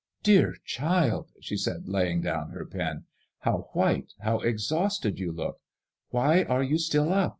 '' Dear child 1 " she said, lay ing down her pen, '' how white, how exhausted you look 1 Why are you still up?